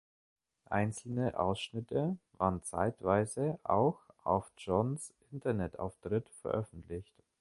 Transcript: Einzelne Ausschnitte waren zeitweise auch auf Johns Internetauftritt veröffentlicht.